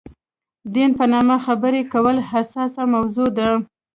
دین په نامه خبرې کول حساسه موضوع ده.